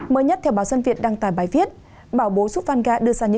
mới nhất theo báo dân viện đăng tài bài viết bảo bố giúp vanga đưa ra những kết quả